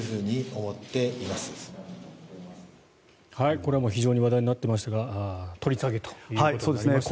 これは非常に話題になっていましたが取り下げということになりましたね。